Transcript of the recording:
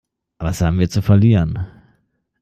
Was haben wir zu verlieren?